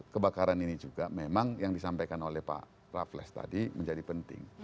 kebakaran ini juga memang yang disampaikan oleh pak raffles tadi menjadi penting